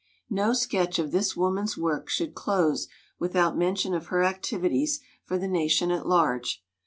No sketch of this woman's work should close without mention of her activities for the nation at large.